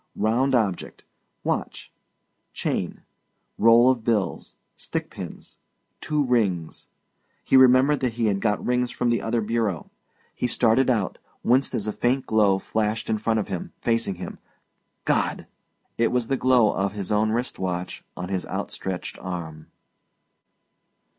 Round object watch; chain; roll of bills; stick pins; two rings he remembered that he had got rings from the other bureau. He started out winced as a faint glow flashed in front of him, facing him. God! it was the glow of his own wrist watch on his outstretched arm.